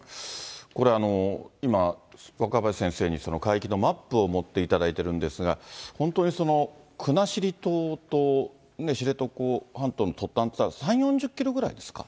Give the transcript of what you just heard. これ、今、若林先生に海域のマップを持っていただいてるんですが、本当に国後島と知床半島の突端っていったら、３、４０キロぐらいですか？